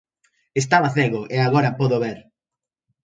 Estaba cego e agora podo ver!